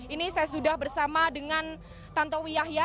ini saya sudah bersama dengan tantowi yahya